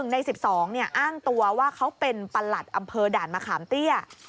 ใน๑๒อ้างตัวว่าเขาเป็นประหลัดอำเภอด่านมะขามเตี้ย